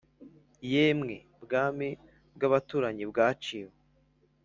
yemwe bwami bw'abaturanyi bwaciwe